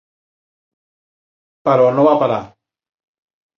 Però no va parar.